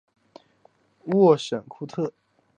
沃什库特。